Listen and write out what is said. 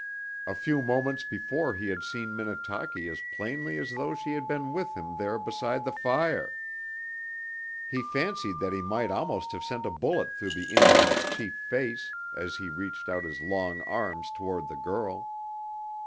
A few moments before he had seen Minnetaki as plainly as though she had been with him there beside the fire; he fancied that he might almost have sent a bullet through the Indian's chief face as he reached out his long arms toward the girl.